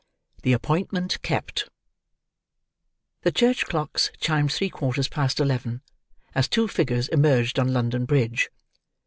THE APPOINTMENT KEPT The church clocks chimed three quarters past eleven, as two figures emerged on London Bridge.